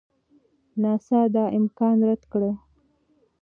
ناسا دا امکان رد کړ.